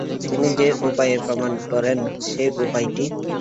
তিনি যে উপায়ে প্রমাণ করেন সেই উপায়টি।